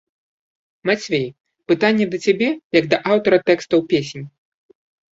Мацвей, пытанне да цябе, як да аўтара тэкстаў песень.